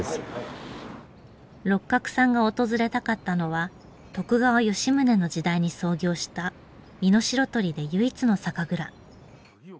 六角さんが訪れたかったのは徳川吉宗の時代に創業した美濃白鳥で唯一の酒蔵。